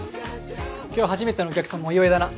今日は初めてのお客さんのお祝いだな。